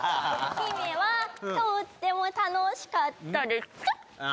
ヒメはとっても楽しかったですあ